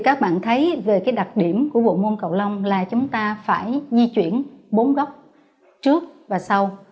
các bạn thấy về đặc điểm của bộ môn cầu lông là chúng ta phải di chuyển bốn góc trước và sau